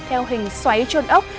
theo hình xoáy trôn ốc